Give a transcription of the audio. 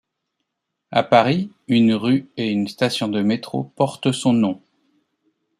À Paris, une rue et une station de métro portent son nom.